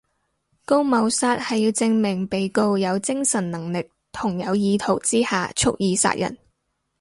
告謀殺係要證明被告有精神能力同有意圖之下蓄意殺人